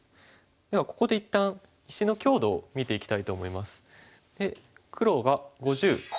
ではここで一旦石の強度を見ていきたいと思います。